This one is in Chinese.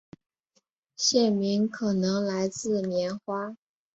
县名可能来自棉花。